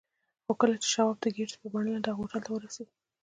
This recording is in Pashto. خو کله چې شواب د ګيټس په بلنه دغه هوټل ته ورسېد.